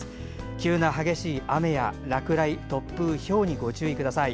急な激しい雨や落雷、突風ひょうにご注意ください。